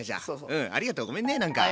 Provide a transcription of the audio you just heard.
うんありがとうごめんねなんか。